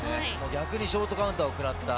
逆にショートカウンターを食らった。